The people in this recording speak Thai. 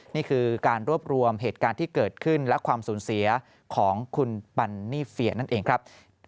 นี่คือการรวบรวมเหตุการณ์ที่เกิดขึ้นและความสูญเสียของคุณปันนี่เฟียนั่นเองครับ